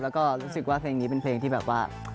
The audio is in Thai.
แล้วก็รู้สึกว่าเพลงนี้เป็นเพลงที่แบบว่า